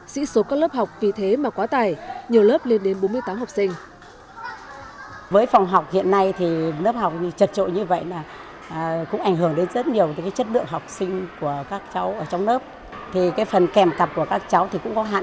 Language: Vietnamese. dĩ số các lớp học vì thế mà quá tải nhiều lớp lên đến bốn mươi tám học sinh